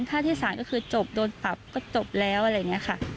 ถ้าที่สารก็คือจบโดนปรับก็จบแล้วอะไรอย่างนี้ค่ะ